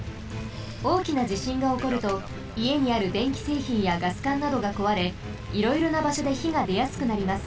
おおきなじしんがおこるといえにあるでんきせいひんやガスかんなどがこわれいろいろなばしょでひがでやすくなります。